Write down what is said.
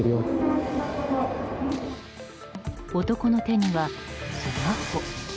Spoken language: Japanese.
男の手にはスマホ。